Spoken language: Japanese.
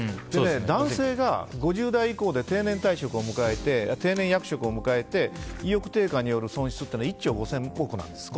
男性が５０代以降で定年役職を迎えて意欲低下による損失は１兆５０００億なんです。